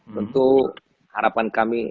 tentu harapan kami